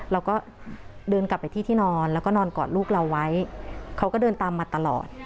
เราก็เดินกลับไปที่ที่นอนแล้วก็นอนกอดลูกเราไว้เขาก็เดินตามมาตลอด